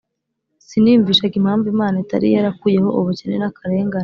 siniyumvishaga impamvu Imana itari yarakuyeho ubukene n akarengane